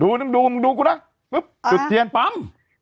มึงดูมึงดูกูนะปุ๊บจุดเทียนปั๊ม